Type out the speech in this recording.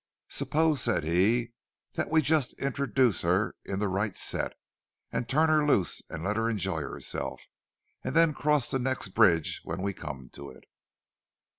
"Suppose," said he, "that we just introduce her in the right set, and turn her loose and let her enjoy herself—and then cross the next bridge when we come to it?"